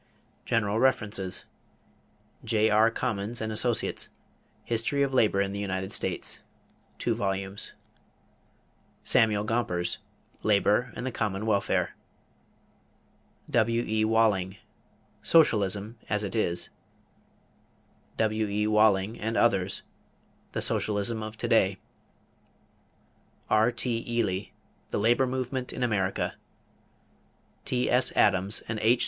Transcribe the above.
=General References= J.R. Commons and Associates, History of Labor in the United States (2 vols.). Samuel Gompers, Labor and the Common Welfare. W.E. Walling, Socialism as It Is. W.E. Walling (and Others), The Socialism of Today. R.T. Ely, The Labor Movement in America. T.S. Adams and H.